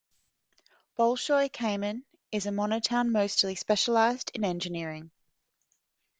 Bolshoy Kamen is a monotown mostly specialized in engineering.